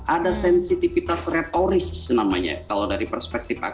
ada sensitivitas retoris namanya kalau dari perspektif